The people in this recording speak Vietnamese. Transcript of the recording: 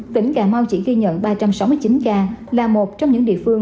tỉnh cà mau chỉ ghi nhận ba trăm sáu mươi chín ca là một trong những địa phương